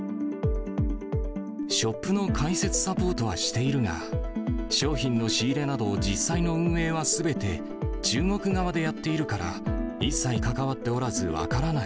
ショップの開設サポートはしているが、商品の仕入れなど、実際の運営はすべて、中国側でやっているから、一切関わっておらず、分からない。